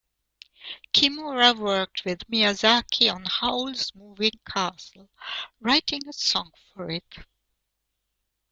Kimura worked with Miyazaki on "Howl's Moving Castle", writing a song for it.